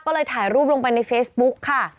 ก็เลยถ่ายรูปลงไปในเฟซบุ๊กค่ะ